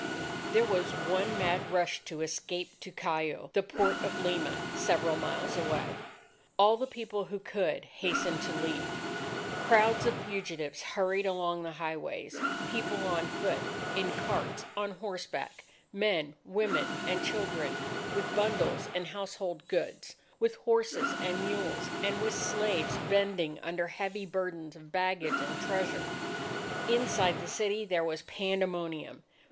There was one mad rush to escape to Callao, the port of Lima, several miles away. All the people who could, hastened to leave. Crowds of fugitives hurried along the highways, people on foot, in carts, on horseback; men, women, and children, with bundles and household goods, with horses and mules, and with slaves bending under heavy burdens of baggage and treasure. Inside the city, there was pandemonium.